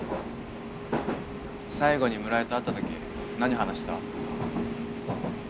最後に村井と会ったとき何話した？